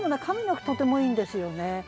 上の句とてもいいんですよね。